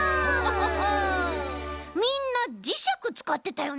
みんなじしゃくつかってたよね。